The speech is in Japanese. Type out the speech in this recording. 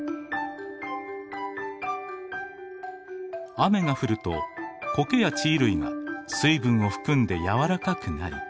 雨が降るとコケや地衣類が水分を含んで軟らかくなり